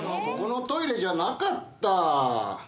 ここのおトイレじゃなかった。